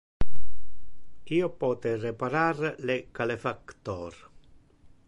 Io pote reparar le calefactor.